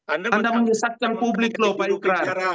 anda menyesatkan publik loh pak ukra